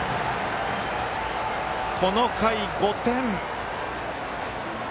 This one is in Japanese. この回、５点。